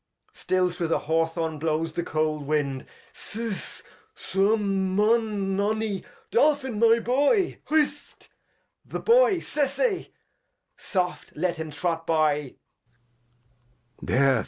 — Still through the Haw Thorn blows the cold Wind. Sess, Suum, Mun, Nonny, Dolphin, my Boy! — Hist, the Boy the Boy ! Sesey ! Soft, let him trot by.